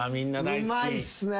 うまいっすね。